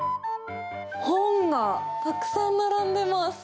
本がたくさん並んでます。